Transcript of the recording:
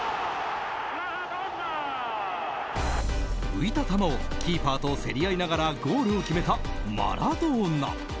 浮いた球をキーパーと競り合いながらゴールを決めたマラドーナ。